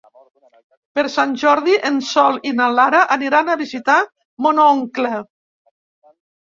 Per Sant Jordi en Sol i na Lara aniran a visitar mon oncle.